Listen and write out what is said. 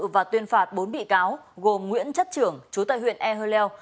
và tuyên phạt bốn bị cáo gồm nguyễn chất trưởng chú tại huyện e hơi leo